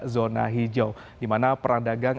zona hijau di mana perang dagang